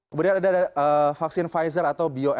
kemudian ada vaksin pfizer atau bioet